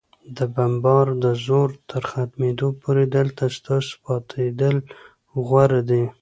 د بمبار د زور تر ختمېدو پورې، دلته ستاسو پاتېدل غوره دي.